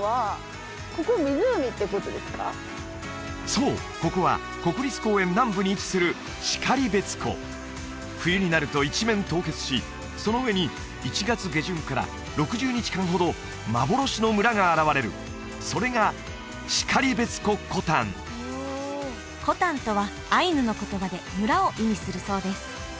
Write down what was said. そうここは国立公園南部に位置する然別湖冬になると一面凍結しその上に１月下旬から６０日間ほど幻の村が現れるそれが「然別湖コタン」「コタン」とはアイヌの言葉で「村」を意味するそうです